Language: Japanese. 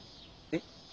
えっ？